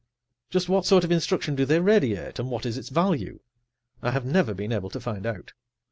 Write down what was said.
Just what sort of instruction do they radiate, and what is its value? I have never been able to find out.